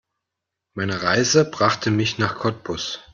Meine Reise brachte mich nach Cottbus